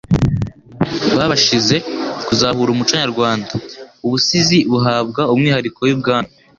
babashije kuzahura umuco nyarwanda, ubusizi buhabwa umwihariko w'ibwami.